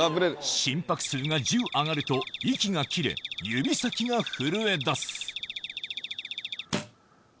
心拍数が１０上がると息が切れ、指先が震えだす。